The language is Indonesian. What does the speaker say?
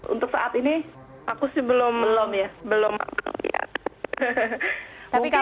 untuk saat ini aku sih belum melihat